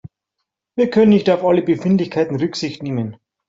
Wir können nicht auf alle Befindlichkeiten Rücksicht nehmen.